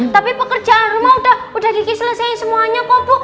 tapi pekerjaan rumah udah udah kiki selesai semuanya kok bu